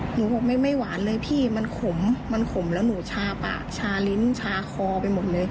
หนูบอกไม่หวานเลยพี่มันขมมันขมแล้วหนูชาปากชาลิ้นชาคอไปหมดเลย